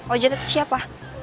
ojat itu siapa